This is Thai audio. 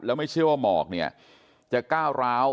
แล้วไม่เชื่อว่าหมอกเนี่ยจะก้าวร้าว